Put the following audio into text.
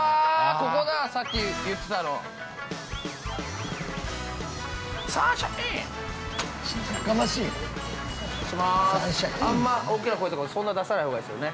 ここださっき言ってたのサンシャインあんま大っきな声とかそんな出さないほうがいいですよね？